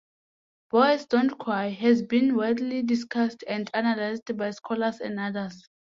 "Boys Don't Cry" has been widely discussed and analyzed by scholars and others.